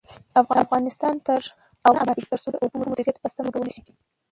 افغانستان تر هغو نه ابادیږي، ترڅو د اوبو مدیریت په سمه توګه ونشي.